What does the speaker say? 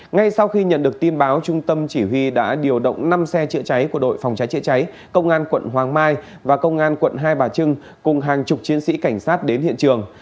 ngay sau khi nhận được tin báo trung tâm chỉ huy đã điều động năm xe chữa cháy của đội phòng cháy chữa cháy công an quận hoàng mai và công an quận hai bà trưng cùng hàng chục chiến sĩ cảnh sát đến hiện trường